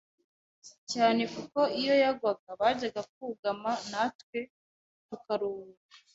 cyane kuko iyo yagwaga bajyaga kugama natwe tukaruhuka